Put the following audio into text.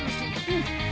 うん。